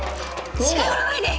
近寄らないで！